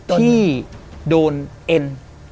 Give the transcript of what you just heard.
ที่โดนเอ็น